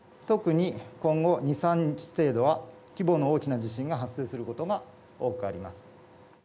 特に今後２、３日程度は規模の大きな地震が発生することが多くあります。